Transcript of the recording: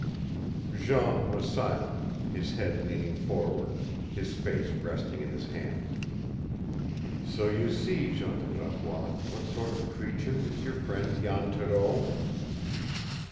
Jean was silent, his head leaning forward, his face resting in his hands. "So you see, Jean de Gravois, what sort of creature is your friend Jan Thoreau!"